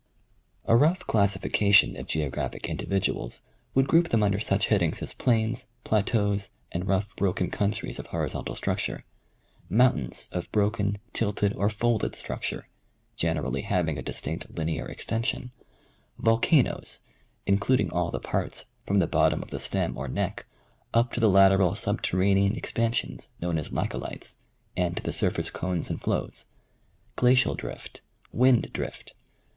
A rough classification of geographic individuals would group them under such headings as plains, plateaus, and rough broken countries of horizontal structure ; mountains of broken, tilted or folded structure, generally having a distinct linear extension ; volcanoes, including all the parts from the bottom of the stem or neck, up to the lateral subterranean expansions known as lacco lites, and to the surface cones and flows ; glacial drift ; wind drift.